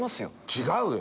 違うよ。